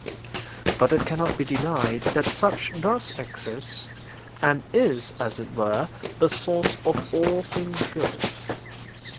But it cannot be denied that such does exist, and is, as it were, the source of all things good.